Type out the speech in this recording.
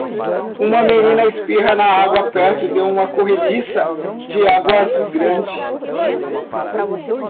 Uma menina espirra na água perto de uma corrediça de água azul grande.